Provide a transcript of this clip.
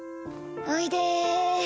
おいで。